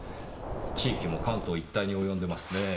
地域も関東一帯に及んでますねぇ。